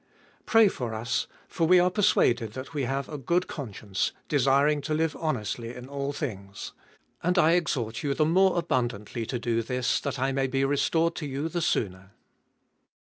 18. Pray for us: for we are persuaded that we have a good conscience, desiring to live honestly in all things. 19. And I exhort you the more abundantly to do this, that I may be restored to you the sooner.